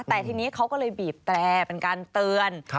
แต่ทีนี้เขาก็เลยบีบแตรเป็นการเตือน